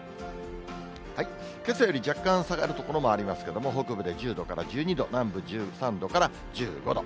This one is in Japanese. けさより若干下がる所もありますけれども、北部で１０度から１２度、南部１３度から１５度。